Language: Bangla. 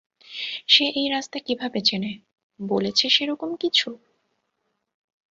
সে এই রাস্তা কীভাবে চেনে বলেছে সেরকম কিছু?